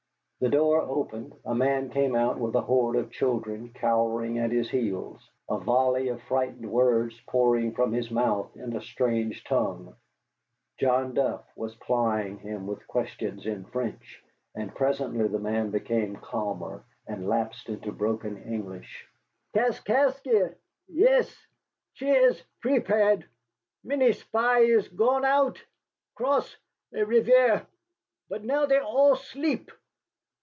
The door opened, a man came out with a horde of children cowering at his heels, a volley of frightened words pouring from his mouth in a strange tongue. John Duff was plying him with questions in French, and presently the man became calmer and lapsed into broken English. "Kaskaskia yes, she is prepare. Many spy is gone out cross la rivière. But now they all sleep."